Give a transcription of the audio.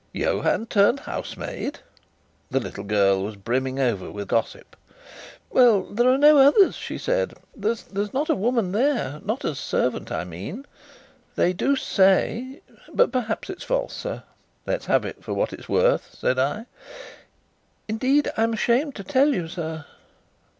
"Johann turned housemaid?" The little girl was brimming over with gossip. "Well, there are no others," said she. "There's not a woman there not as a servant, I mean. They do say but perhaps it's false, sir." "Let's have it for what it's worth," said I. "Indeed, I'm ashamed to tell you, sir."